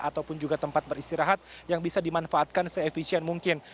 ataupun juga tempat beristirahat yang bisa dimanfaatkan seefisien mungkin